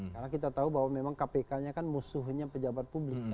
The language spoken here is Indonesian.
karena kita tahu bahwa memang kpk nya kan musuhnya pejabat publik